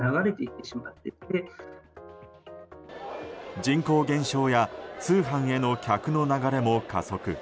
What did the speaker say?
人口減少や通販への客の流れも加速。